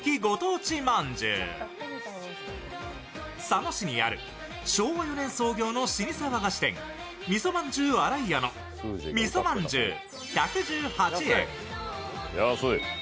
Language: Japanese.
佐野市にある昭和４年創業の老舗和菓子店、味噌まんじゅう新井屋の味噌まんじゅう１１８円。